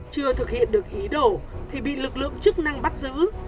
chưa thực hiện được ý đồ thì bị lực lượng chức năng bắt giữ